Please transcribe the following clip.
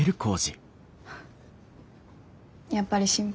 やっぱり心配？